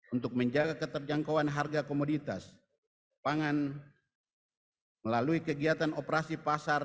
untuk menjaga keterjangkauan harga komoditas pangan melalui kegiatan operasi pasar